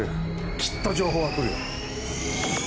きっと情報は来るよ。